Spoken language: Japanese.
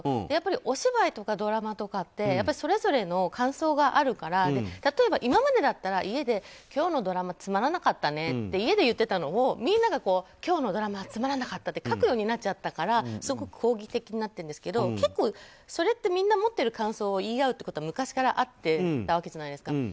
やっぱりお芝居とかドラマってそれぞれの感想があるから例えば、今までだったら家で、今日のドラマつまらなかったねって家で言ってたのを、みんなが今日のドラマはつまらなかったって書くようになっちゃったからすごく攻撃的になってるんですけど結構、それってみんな持っている感想を言い合うって昔からあったわけじゃないですか。